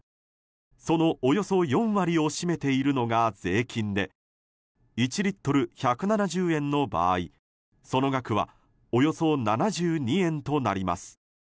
そのおよそ４割を占めているのが税金で１リットル＝１７０円の場合その額はおよそ７２円となります。